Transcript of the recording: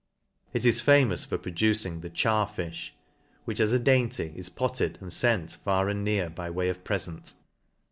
It is famous for pro ducing the Char fjh, which as a dainty, is potted, and fent far and near by way of prefent.